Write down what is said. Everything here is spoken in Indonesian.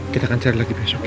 kita akan cari lagi besok